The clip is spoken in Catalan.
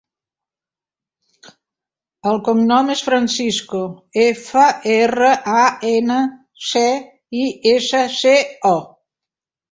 El cognom és Francisco: efa, erra, a, ena, ce, i, essa, ce, o.